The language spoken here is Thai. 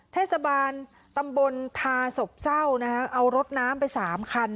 เทศบาลตำบลทาสบเจ้าเอารดน้ำไป๓คัน